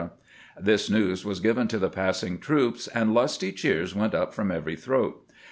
This news was given to the passing troops, and lusty cheers went up from every throat.